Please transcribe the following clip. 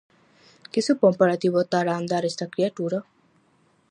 Que supón para ti botar a andar esta criatura?